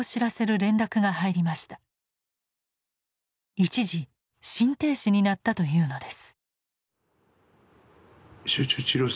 一時心停止になったというのです。